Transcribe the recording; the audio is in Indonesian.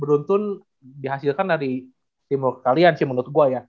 beruntun dihasilkan dari simbol kalian sih menurut gue ya